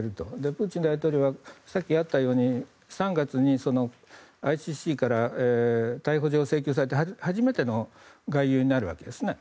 プーチン大統領はさっきあったように３月にＩＣＣから逮捕状を請求されて初めての外遊になるわけですね。